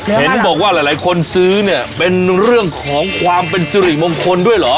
เห็นบอกว่าหลายคนซื้อเนี่ยเป็นเรื่องของความเป็นสิริมงคลด้วยเหรอ